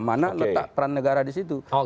mana letak peran negara di situ